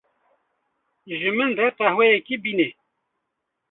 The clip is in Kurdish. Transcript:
Ji min re qehweyekê bîne.